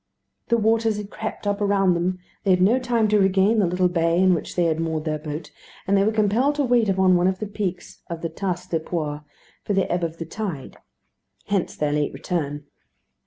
The waters had crept up around them; they had no time to regain the little bay in which they had moored their boat, and they were compelled to wait upon one of the peaks of the Tas de Pois for the ebb of the tide. Hence their late return.